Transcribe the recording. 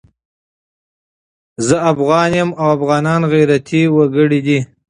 زه افغان یم او افغانان غيرتي وګړي دي